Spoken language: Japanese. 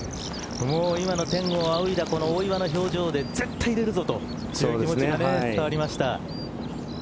今の天を仰いだこの大岩の表情で絶対入れるぞという気持ちが伝わりました。